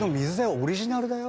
オリジナルだよ？